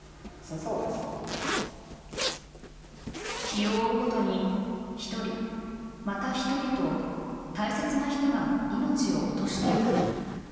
日を追うごとに１人、また１人と大切な人が命を落としていく。